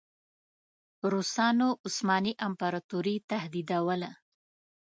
روسانو عثماني امپراطوري تهدیدوله.